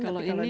kalau yang lain